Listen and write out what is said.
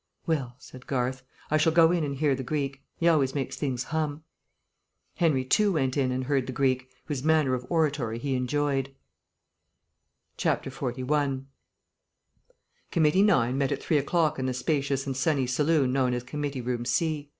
"Well," said Garth, "I shall go in and hear the Greek. He always makes things hum." Henry, too, went in and heard the Greek, whose manner of oratory he enjoyed. 41 Committee 9 met at three o'clock in the spacious and sunny saloon known as Committee Room C.